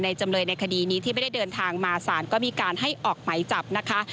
จำเลยในคดีนี้ที่ไม่ได้เดินทางมาศาลก็มีการให้ออกไหมจับนะคะ